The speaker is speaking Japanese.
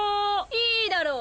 いいだろう！